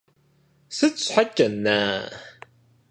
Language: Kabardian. Сыт щхьэкӀэ, на-а?